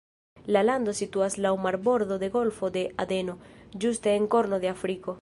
La lando situas laŭ marbordo de golfo de Adeno, ĝuste en korno de Afriko.